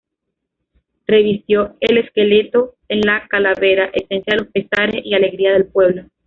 Revistió al esqueleto en la calavera: esencia de los pesares y alegrías del pueblo.